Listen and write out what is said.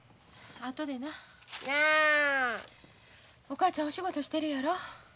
お母ちゃんお仕事してるやろ。